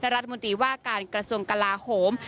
รัฐมนตรีว่าการกระทรวงกลาโหม